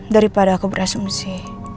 dari pada aku ber submsi